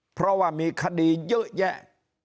เพราะว่ามีคดีเยอะแยะ